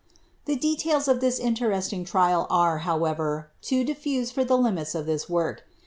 Tiie details of this interesting trial are, however, too dilfuse for the limits of this work.